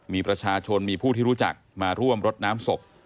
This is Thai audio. มีประชาชนมีผู้ที่รู้จักมาร่วมรดน้ำศพ